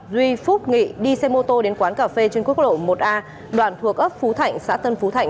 duy phúc nghị đi xe mô tô đến quán cà phê trên quốc lộ một a đoạn thuộc ấp phú thạnh xã tân phú thạnh